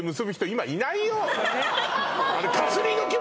今いないよ